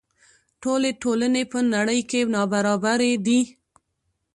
ټولې ټولنې په نړۍ کې نابرابرې دي.